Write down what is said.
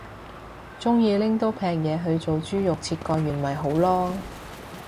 鍾意拎刀劈嘢去做豬肉切割員咪好囉